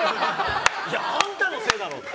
いや、あんたのせいだろ！って。